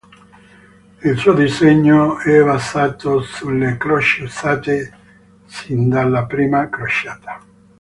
Il suo disegno è basato sulle croci usate sin dalla prima crociata.